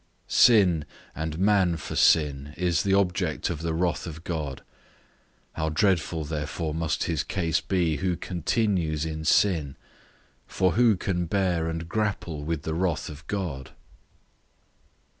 Sin, and man for sin, is the object of the wrath of God. How dreadful therefore must his case be who continues in sin; for who can bear and grapple with the wrath of God?